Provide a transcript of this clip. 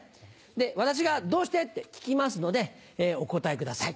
で私が「どうして？」って聞きますのでお答えください。